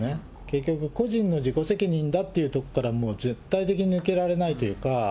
結局、個人の自己責任だというところから絶対的に抜けられないというか。